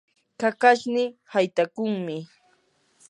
kakashnii haytakuqmi.